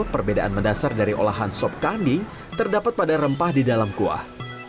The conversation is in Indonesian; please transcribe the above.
perbedaan mendasar dari olahan sop kambing terdapat pada rempah di dalam kuah